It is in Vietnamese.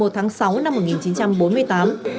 một mươi tháng sáu năm một nghìn chín trăm bốn mươi tám